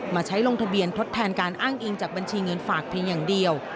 มาใช้ลงทะเบียนทดแทนการอ้างอิงจากบัญชีเงินฝากเพียงอย่างเดียว